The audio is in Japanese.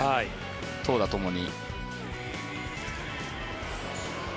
投打ともに。